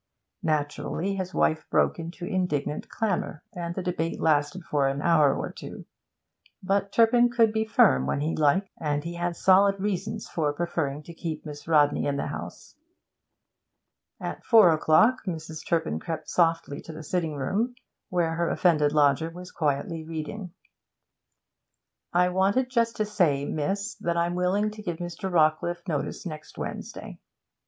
Naturally, his wife broke into indignant clamour, and the debate lasted for an hour or two; but Turpin could be firm when he liked, and he had solid reasons for preferring to keep Miss Rodney in the house. At four o'clock Mrs. Turpin crept softly to the sitting room where her offended lodger was quietly reading. 'I wanted just to say, miss, that I'm willing to give Mr. Rawcliffe notice next Wednesday.'